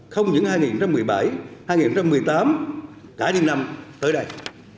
không những hai nghìn một mươi bảy hai nghìn một mươi tám cả những năm tới đây